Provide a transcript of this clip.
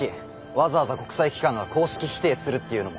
わざわざ国際機関が公式否定するっていうのも。